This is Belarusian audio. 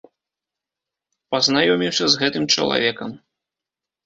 Пазнаёміўся з гэтым чалавекам.